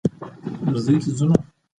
په بازار کې د خوراکي توکو بیې لوړې شوې دي.